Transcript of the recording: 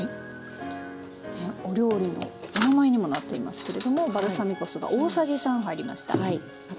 お料理のお名前にもなっていますけれどもバルサミコ酢が大さじ３入りました。